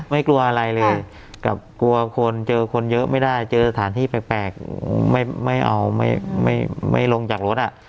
กลัวอะไรเลยกับกลัวคนเจอคนเยอะไม่ได้เจอสถานที่แปลกไม่เอาไม่ลงจากรถอ่ะ